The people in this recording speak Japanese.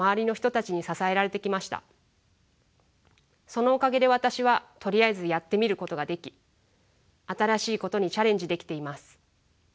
そのおかげで私はとりあえずやってみることができ新しいことにチャレンジできています。